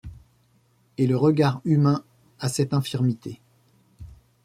Et le regard humain a cette infirmité